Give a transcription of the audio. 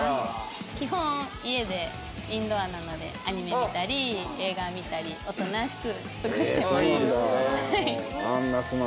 基本家でインドアなのでアニメ見たり映画見たりおとなしく過ごしてます。